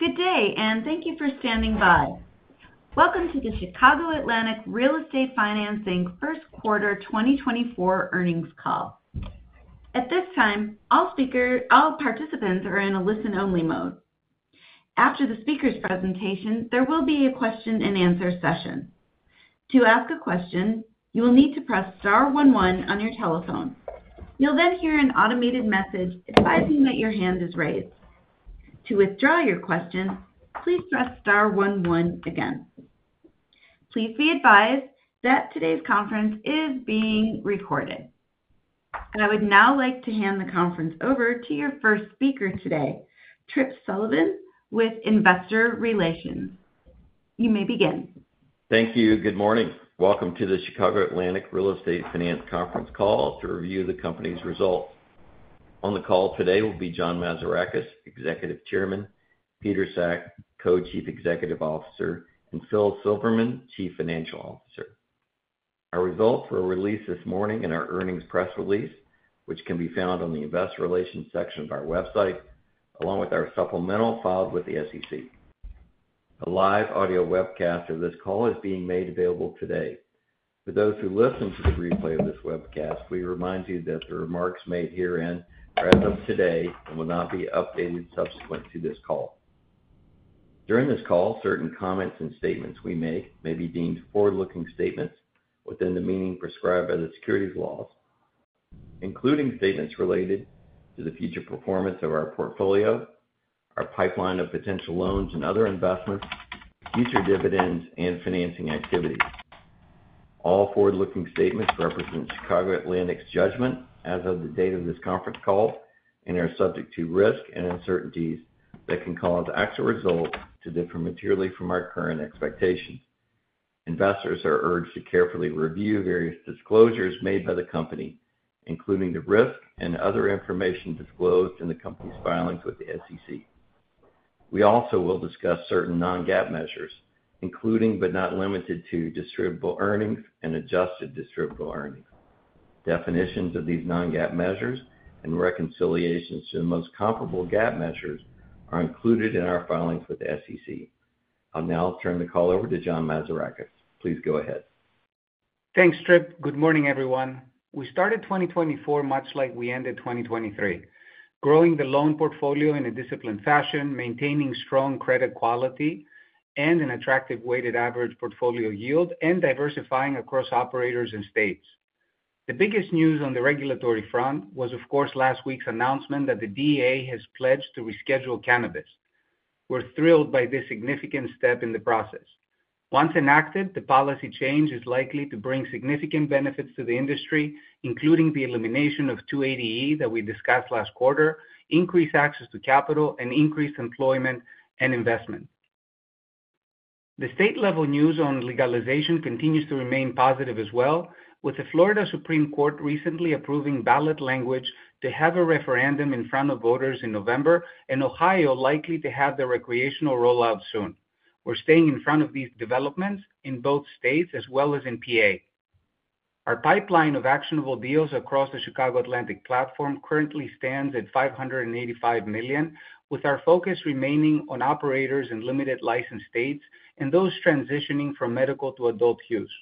Good day, and thank you for standing by. Welcome to the Chicago Atlantic Real Estate Finance, Inc. first quarter 2024 earnings call. At this time, all participants are in a listen-only mode. After the speaker's presentation, there will be a question-and-answer session. To ask a question, you will need to press star 11 on your telephone. You'll then hear an automated message advising that your hand is raised. To withdraw your question, please press star 11 again. Please be advised that today's conference is being recorded. I would now like to hand the conference over to your first speaker today, Tripp Sullivan, with Investor Relations. You may begin. Thank you. Good morning. Welcome to the Chicago Atlantic Real Estate Finance Conference call to review the company's results. On the call today will be John Mazarakis, Executive Chairman, Peter Sack, Co-Chief Executive Officer, and Phil Silverman, Chief Financial Officer. Our results were released this morning in our earnings press release, which can be found on the Investor Relations section of our website, along with our supplemental filed with the SEC. A live audio webcast of this call is being made available today. For those who listen to the replay of this webcast, we remind you that the remarks made herein are as of today and will not be updated subsequent to this call. During this call, certain comments and statements we make may be deemed forward-looking statements within the meaning prescribed by the securities laws, including statements related to the future performance of our portfolio, our pipeline of potential loans and other investments, future dividends, and financing activities. All forward-looking statements represent Chicago Atlantic's judgment as of the date of this conference call and are subject to risk and uncertainties that can cause actual results to differ materially from our current expectations. Investors are urged to carefully review various disclosures made by the company, including the risk and other information disclosed in the company's filings with the SEC. We also will discuss certain non-GAAP measures, including but not limited to distributable earnings and adjusted distributable earnings. Definitions of these non-GAAP measures and reconciliations to the most comparable GAAP measures are included in our filings with the SEC. I'll now turn the call over to John Mazarakis. Please go ahead. Thanks, Tripp. Good morning, everyone. We started 2024 much like we ended 2023: growing the loan portfolio in a disciplined fashion, maintaining strong credit quality and an attractive weighted average portfolio yield, and diversifying across operators and states. The biggest news on the regulatory front was, of course, last week's announcement that the DEA has pledged to reschedule cannabis. We're thrilled by this significant step in the process. Once enacted, the policy change is likely to bring significant benefits to the industry, including the elimination of 280E that we discussed last quarter, increased access to capital, and increased employment and investment. The state-level news on legalization continues to remain positive as well, with the Florida Supreme Court recently approving ballot language to have a referendum in front of voters in November and Ohio likely to have their recreational rollout soon. We're staying in front of these developments in both states as well as in PA. Our pipeline of actionable deals across the Chicago Atlantic platform currently stands at $585 million, with our focus remaining on operators in limited license states and those transitioning from medical to adult use.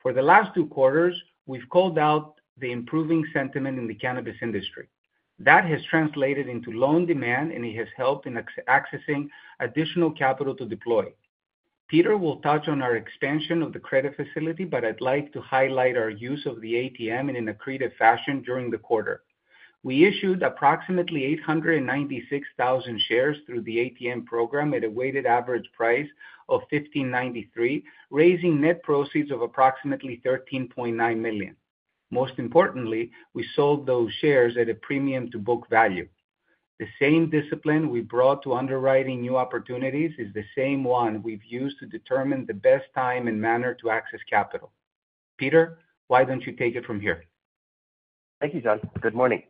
For the last two quarters, we've called out the improving sentiment in the cannabis industry. That has translated into loan demand, and it has helped in accessing additional capital to deploy. Peter will touch on our expansion of the credit facility, but I'd like to highlight our use of the ATM in an accretive fashion during the quarter. We issued approximately 896,000 shares through the ATM program at a weighted average price of $15.93, raising net proceeds of approximately $13.9 million. Most importantly, we sold those shares at a premium-to-book value. The same discipline we brought to underwriting new opportunities is the same one we've used to determine the best time and manner to access capital. Peter, why don't you take it from here? Thank you, John. Good morning.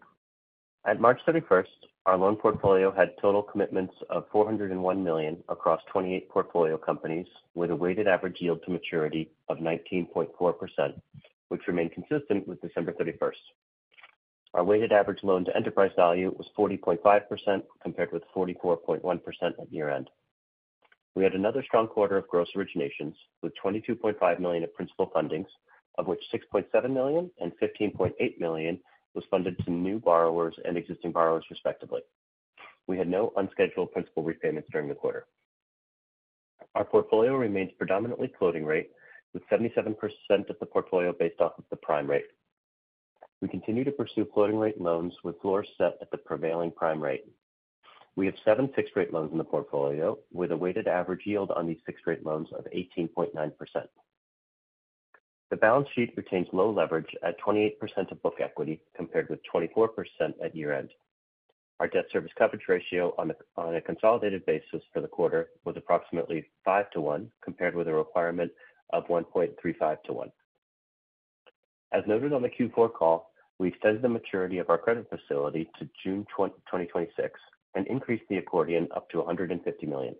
At March 31st, our loan portfolio had total commitments of $401 million across 28 portfolio companies, with a weighted average yield to maturity of 19.4%, which remained consistent with December 31st. Our weighted average loan to enterprise value was 40.5% compared with 44.1% at year-end. We had another strong quarter of gross originations, with $22.5 million of principal fundings, of which $6.7 million and $15.8 million was funded to new borrowers and existing borrowers, respectively. We had no unscheduled principal repayments during the quarter. Our portfolio remains predominantly floating rate, with 77% of the portfolio based off of the prime rate. We continue to pursue floating rate loans, with floors set at the prevailing prime rate. We have seven fixed-rate loans in the portfolio, with a weighted average yield on these fixed-rate loans of 18.9%. The balance sheet retains low leverage at 28% of book equity compared with 24% at year-end. Our debt service coverage ratio on a consolidated basis for the quarter was approximately 5-to-1, compared with a requirement of 1.35-to-1. As noted on the Q4 call, we extended the maturity of our credit facility to June 2026 and increased the accordion up to $150 million.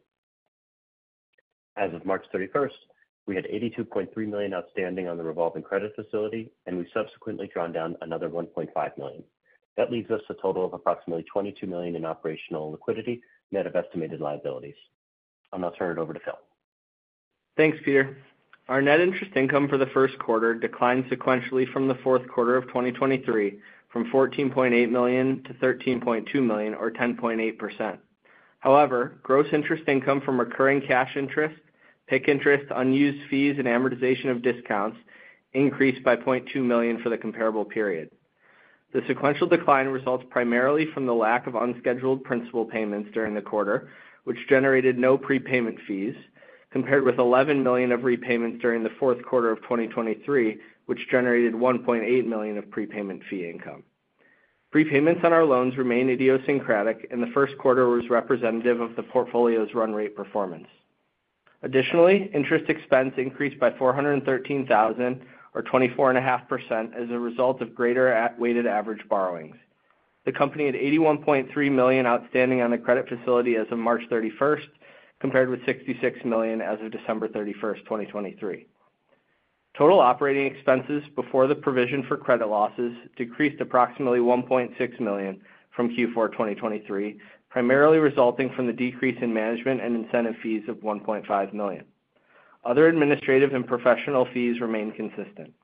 As of March 31st, we had $82.3 million outstanding on the revolving credit facility, and we subsequently drawn down another $1.5 million. That leaves us a total of approximately $22 million in operational liquidity net of estimated liabilities. I'm going to turn it over to Phil. Thanks, Peter. Our net interest income for the first quarter declined sequentially from the fourth quarter of 2023, from $14.8 million to $13.2 million, or 10.8%. However, gross interest income from recurring cash interest, PIK interest, unused fees, and amortization of discounts increased by $0.2 million for the comparable period. The sequential decline results primarily from the lack of unscheduled principal payments during the quarter, which generated no prepayment fees, compared with $11 million of repayments during the fourth quarter of 2023, which generated $1.8 million of prepayment fee income. Prepayments on our loans remain idiosyncratic, and the first quarter was representative of the portfolio's run-rate performance. Additionally, interest expense increased by $413,000, or 24.5%, as a result of greater weighted average borrowings. The company had $81.3 million outstanding on the credit facility as of March 31st, compared with $66 million as of December 31st, 2023. Total operating expenses before the provision for credit losses decreased approximately $1.6 million from Q4 2023, primarily resulting from the decrease in management and incentive fees of $1.5 million. Other administrative and professional fees remain consistent.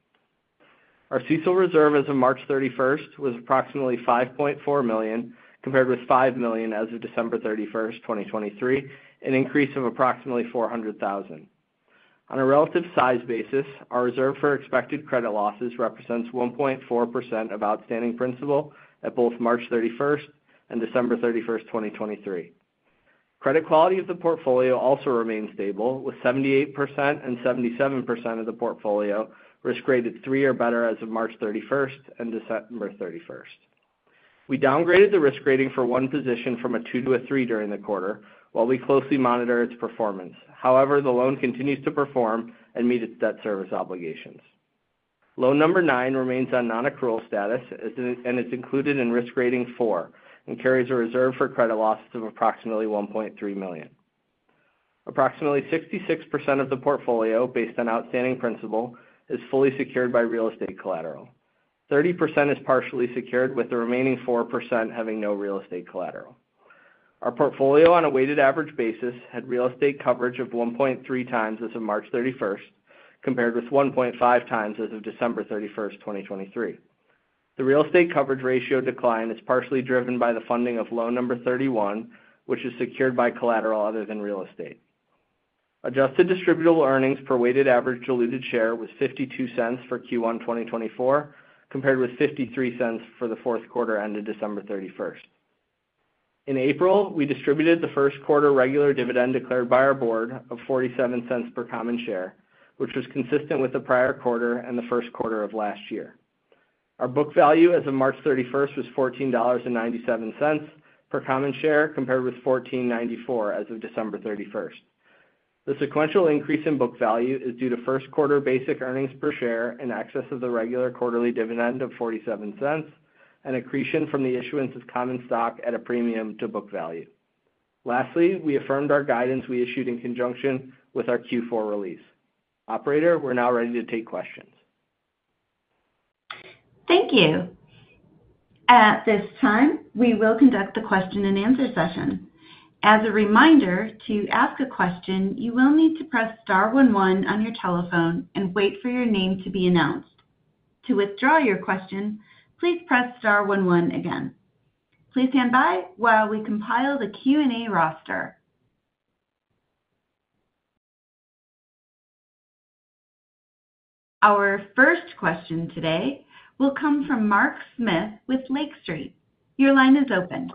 Our CECL reserve as of March 31st was approximately $5.4 million, compared with $5 million as of December 31st, 2023, an increase of approximately $400,000. On a relative size basis, our reserve for expected credit losses represents 1.4% of outstanding principal at both March 31st and December 31st, 2023. Credit quality of the portfolio also remains stable, with 78% and 77% of the portfolio risk-rated 3 or better as of March 31st and December 31st. We downgraded the risk rating for one position from a 2 to a 3 during the quarter while we closely monitor its performance. However, the loan continues to perform and meet its debt service obligations. Loan number 9 remains on non-accrual status and is included in risk rating 4 and carries a reserve for credit losses of approximately $1.3 million. Approximately 66% of the portfolio, based on outstanding principal, is fully secured by real estate collateral. 30% is partially secured, with the remaining 4% having no real estate collateral. Our portfolio, on a weighted average basis, had real estate coverage of 1.3 times as of March 31st, compared with 1.5 times as of December 31st, 2023. The real estate coverage ratio decline is partially driven by the funding of loan number 31, which is secured by collateral other than real estate. Adjusted Distributable Earnings per weighted average diluted share was $0.52 for Q1 2024, compared with $0.53 for the fourth quarter ended December 31st. In April, we distributed the first quarter regular dividend declared by our board of $0.47 per common share, which was consistent with the prior quarter and the first quarter of last year. Our book value as of March 31st was $14.97 per common share, compared with $14.94 as of December 31st. The sequential increase in book value is due to first quarter basic earnings per share and excess of the regular quarterly dividend of $0.47, and accretion from the issuance of common stock at a premium to book value. Lastly, we affirmed our guidance we issued in conjunction with our Q4 release. Operator, we're now ready to take questions. Thank you. At this time, we will conduct the question-and-answer session. As a reminder, to ask a question, you will need to press star 11 on your telephone and wait for your name to be announced. To withdraw your question, please press star 11 again. Please stand by while we compile the Q&A roster. Our first question today will come from Mark Smith with Lake Street. Your line is open.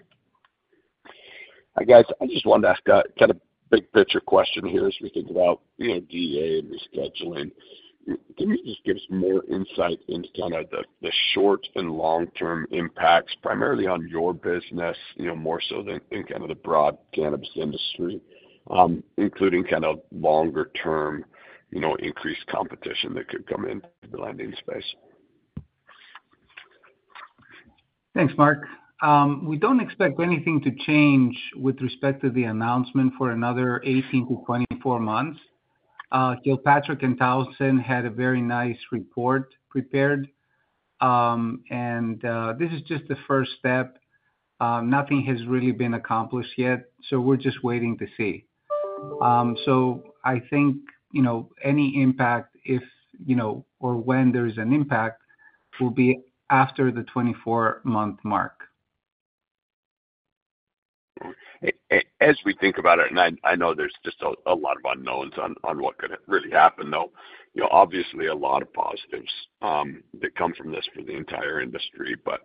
Hi, guys. I just wanted to ask kind of a big picture question here as we think about DEA and rescheduling. Can you just give us more insight into kind of the short and long-term impacts, primarily on your business more so than kind of the broad cannabis industry, including kind of longer-term increased competition that could come into the lending space? Thanks, Mark. We don't expect anything to change with respect to the announcement for another 18-24 months. Kilpatrick Townsend had a very nice report prepared, and this is just the first step. Nothing has really been accomplished yet, so we're just waiting to see. So I think any impact, if or when there is an impact, will be after the 24-month mark. As we think about it, and I know there's just a lot of unknowns on what could really happen, though, obviously a lot of positives that come from this for the entire industry. But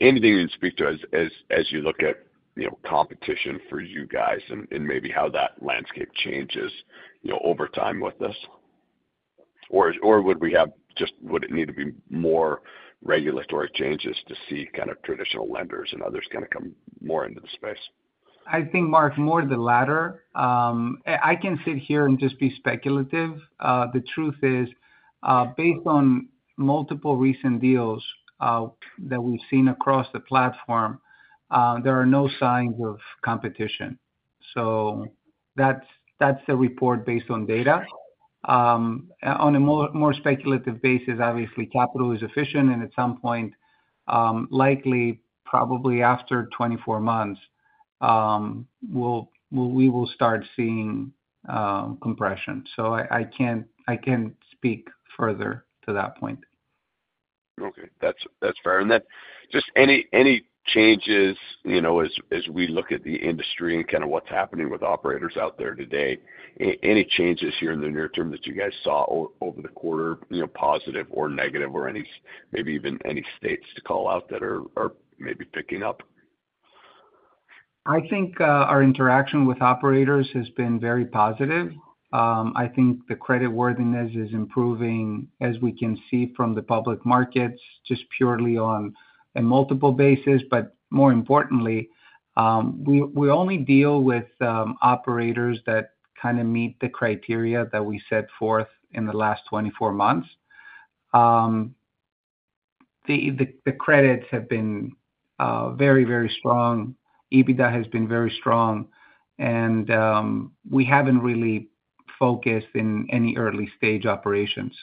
anything you can speak to as you look at competition for you guys and maybe how that landscape changes over time with this? Or would it need to be more regulatory changes to see kind of traditional lenders and others kind of come more into the space? I think, Mark, more the latter. I can sit here and just be speculative. The truth is, based on multiple recent deals that we've seen across the platform, there are no signs of competition. That's the report based on data. On a more speculative basis, obviously, capital is efficient, and at some point, likely, probably after 24 months, we will start seeing compression. I can't speak further to that point. Okay. That's fair. And then just any changes as we look at the industry and kind of what's happening with operators out there today, any changes here in the near term that you guys saw over the quarter, positive or negative, or maybe even any states to call out that are maybe picking up? I think our interaction with operators has been very positive. I think the creditworthiness is improving as we can see from the public markets, just purely on a multiple basis. But more importantly, we only deal with operators that kind of meet the criteria that we set forth in the last 24 months. The credits have been very, very strong. EBITDA has been very strong, and we haven't really focused in any early-stage operations.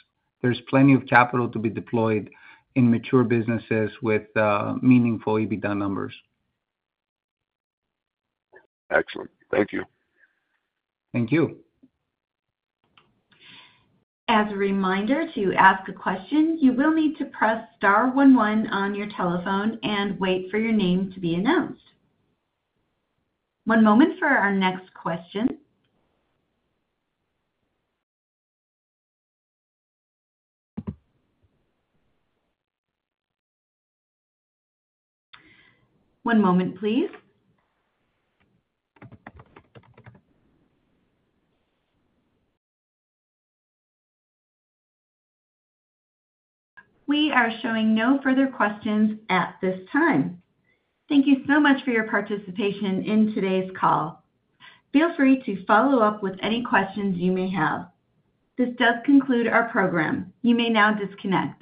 There's plenty of capital to be deployed in mature businesses with meaningful EBITDA numbers. Excellent. Thank you. Thank you. As a reminder to ask a question, you will need to press star 11 on your telephone and wait for your name to be announced. One moment for our next question. One moment, please. We are showing no further questions at this time. Thank you so much for your participation in today's call. Feel free to follow up with any questions you may have. This does conclude our program. You may now disconnect.